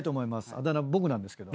あだ名僕なんですけど。